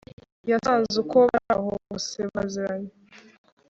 yasanze uko baraho bose baziranye